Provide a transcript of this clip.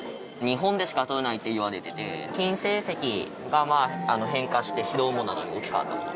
日本でしか採れないといわれてて菫青石が変化して白雲母などに置き換わったもの。